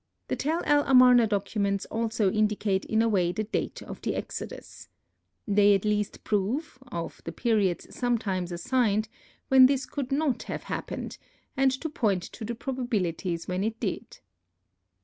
The Tel el Amarna documents also indicate in a way the date of the Exodus. They at least prove, of the periods sometimes assigned, when this could not have happened, and to point to the probabilities when it did.